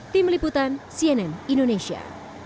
tim liputan cnn indonesia